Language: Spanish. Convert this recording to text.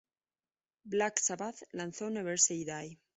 Black Sabbath lanzó "Never Say Die!